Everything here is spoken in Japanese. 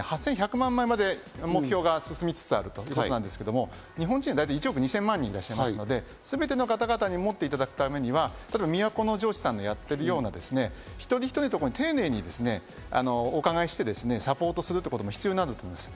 ８１００万枚まで目標が進みつつあるということですけど日本人、大体１億２０００万人いらっしゃるので、すべての方々に持っていただくためには都城市さんがやってるような一人一人のところに丁寧にお伺いしてサポートすることも必要になると思います。